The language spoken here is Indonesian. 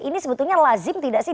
ini sebetulnya lazim tidak sih